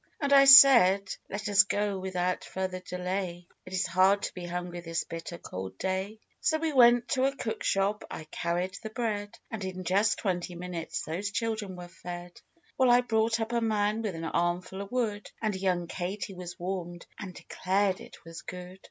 And, I said, 4 Let us go, without further delay,— It is hard to be hungry this bitter cold day !*" So we went to a cook shop, — I carried the bread, And in just twenty minutes those children were fed; While I brought up a man with an armful of wood, And young Katy was warmed, and declared it was good